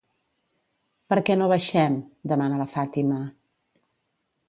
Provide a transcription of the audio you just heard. Per què no baixem? —demana la Fàtima.